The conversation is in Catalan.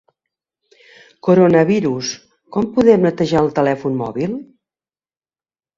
Coronavirus: com podem netejar el telèfon mòbil?